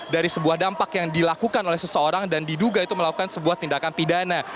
dari sebuah dampak yang dilakukan oleh seseorang dan diduga itu melakukan sebuah tindakan pidana